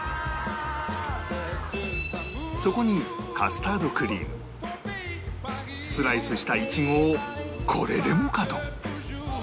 そこにカスタードクリームスライスしたイチゴをこれでもかと